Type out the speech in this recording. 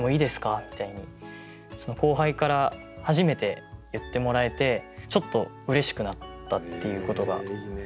みたいにその後輩から初めて言ってもらえてちょっとうれしくなったっていうことが。